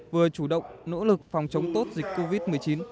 vừa chủ động nỗ lực phòng chống tốt dịch covid một mươi chín